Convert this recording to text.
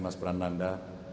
mbak sada mbakif pananda